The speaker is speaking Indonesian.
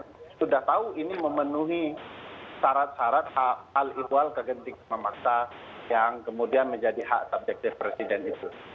mungkin presiden sudah tahu ini memenuhi syarat syarat hal ikhwal kegentingan memaksa yang kemudian menjadi hak subjeksi presiden itu